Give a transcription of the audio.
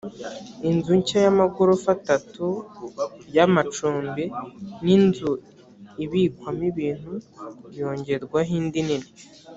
inzu nshya y amagorofa atatu y amacumbi n inzu ibikwamo ibintu yongerwaho indi nini